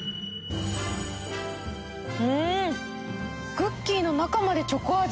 クッキーの中までチョコ味。